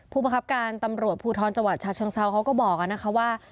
ประคับการตำรวจภูทรจังหวัดชาเชิงเซาเขาก็บอกนะคะว่า